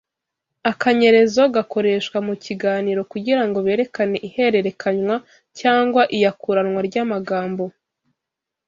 Akanyerezo gakoreshwa mu kiganiro kugira ngo berekane ihererekanywa cyangwa iyakuranwa ry’amagambo